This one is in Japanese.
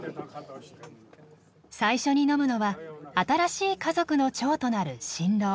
最初に飲むのは新しい家族の長となる新郎。